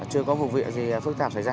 chưa có vùng vệ gì phức tạp xảy ra